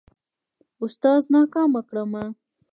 اوستاذ ناکامه کړمه.